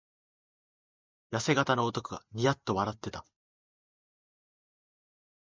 やせ型の男がニヤッと笑ってたずねた。